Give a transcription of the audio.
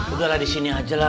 udah lah disini aja lah